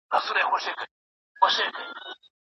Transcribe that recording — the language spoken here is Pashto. نن سبا به نه یم زمانې راپسی مه ګوره